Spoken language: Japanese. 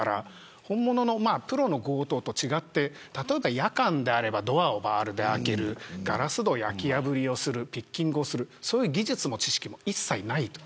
本物のプロの強盗と違って夜間であればドアをバールで開けるガラス戸を焼き破りするピッキングするそういう技術も知識もない。